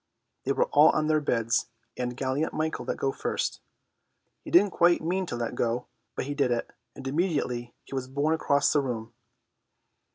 They were all on their beds, and gallant Michael let go first. He did not quite mean to let go, but he did it, and immediately he was borne across the room.